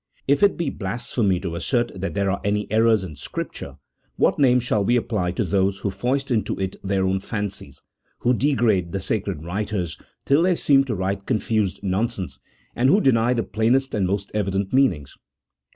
If it be blasphemy to assert that there are any errors in Scripture, what name shall we apply to those who foist into it their own fancies, who degrade the sacred writers till they seem to write confused non sense, and who deny the plainest and most evident mean ings